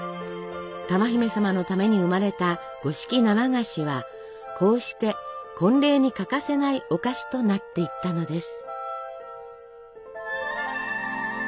珠姫様のために生まれた五色生菓子はこうして婚礼に欠かせないお菓子となっていったのです。